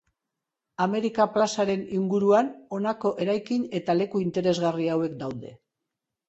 Amerika plazaren inguruan honako eraikin eta leku interesgarri hauek daude.